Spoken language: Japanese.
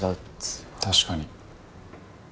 確かに。